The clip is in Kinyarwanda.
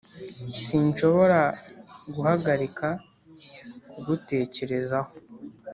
sinshobora guhagarika ku gutekerezaho